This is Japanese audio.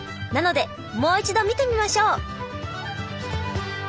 なのでもう一度見てみましょう！